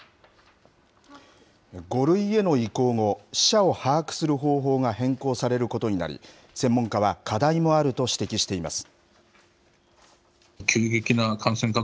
５類への移行後、死者を把握する方法が変更されることになり、専門家は課題もあると指摘しています。